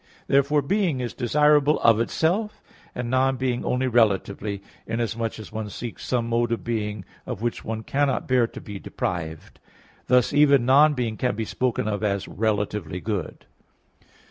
Therefore being is desirable of itself; and non being only relatively, inasmuch as one seeks some mode of being of which one cannot bear to be deprived; thus even non being can be spoken of as relatively good.